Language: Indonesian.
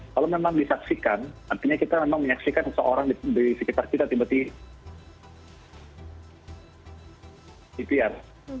kalau memang disaksikan artinya kita memang menyaksikan seseorang di sekitar kita tiba tiba itiar